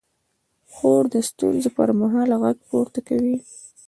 خور د ستونزو پر مهال غږ پورته کوي.